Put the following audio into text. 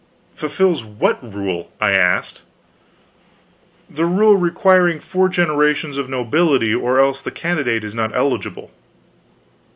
"Fulfills what rule?" I asked. "The rule requiring four generations of nobility or else the candidate is not eligible."